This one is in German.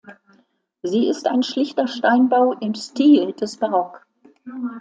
Sie ist ein schlichter Steinbau im Stil des Barock.